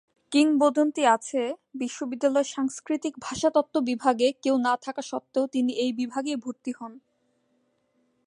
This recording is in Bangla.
কিংবদন্তি আছে, বিশ্ববিদ্যালয়ে সাংস্কৃতিক ভাষাতত্ত্ব বিভাগে কেউ না থাকা স্বত্বেও তিনি এই বিভাগেই ভর্তি হন।